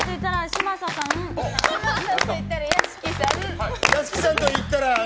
嶋佐さんと言ったら屋敷さん。